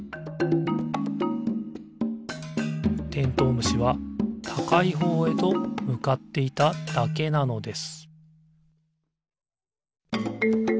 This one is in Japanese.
むしはたかいほうへとむかっていただけなのです